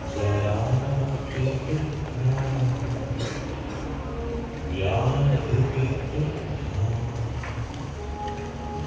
สวัสดีครับสวัสดีครับ